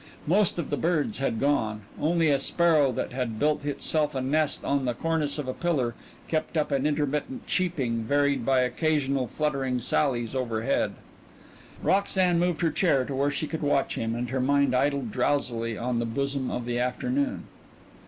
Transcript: Most of the birds had gone only a sparrow that had built itself a nest on the cornice of a pillar kept up an intermittent cheeping varied by occasional fluttering sallies overhead. Roxanne moved her chair to where she could watch him and her mind idled drowsily on the bosom of the afternoon.